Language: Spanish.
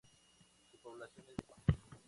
Su población es de etnia nahua.